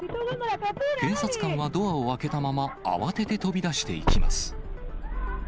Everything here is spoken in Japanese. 警察官はドアを開けたまま慌てて飛び出していきます。